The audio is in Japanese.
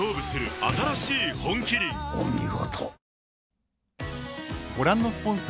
お見事。